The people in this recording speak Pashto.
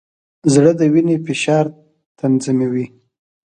زړه د وینې فشار تنظیموي.